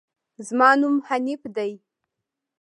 زما نوم حنيف ده